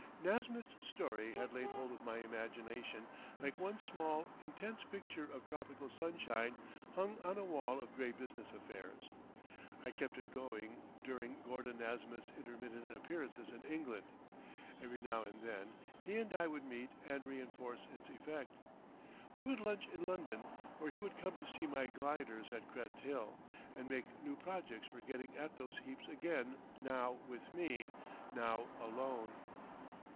Nasmyth's story had laid hold of my imagination like one small, intense picture of tropical sunshine hung on a wall of grey business affairs. I kept it going during Gordon Nasmyth's intermittent appearances in England. Every now and then he and I would meet and reinforce its effect. We would lunch in London, or he would cone to see my gliders at Crest Hill, and make new projects for getting at those heaps again now with me, now alone.